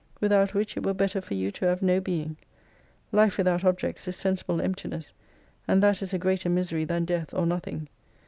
"Without which it were better for you to have no being. Life without objects is sensible emptiness, and that is a greater misery than death or nothing.